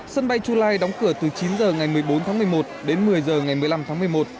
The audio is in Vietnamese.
sân bay chu lai đóng cửa từ chín h ngày một mươi bốn tháng một mươi một đến một mươi h ngày một mươi năm tháng một mươi một